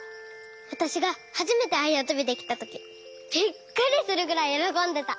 わたしがはじめてあやとびできたときびっくりするぐらいよろこんでた。